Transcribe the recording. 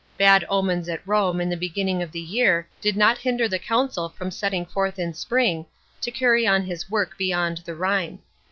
Bad omens at Rome in the beginning of the year did not hinder the consul from setting forth in spring, to carry on his work beyond the Rhine.